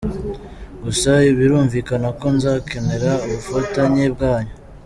Gusa birumvikana ko nzakenera ubufatanye bwanyu.